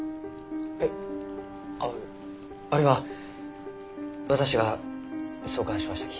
えっあれは私が創刊しましたき。